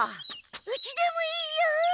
うちでもいいよ！